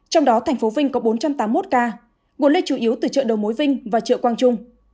trong đó thành phố vinh có bốn trăm tám mươi một ca nguồn lây chủ yếu từ chợ đầu mối vinh và chợ quang trung